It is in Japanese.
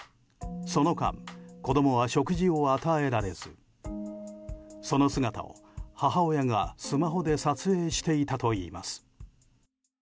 その間、子供は食事を与えられずその姿を母親がスマホで撮影していたといいます。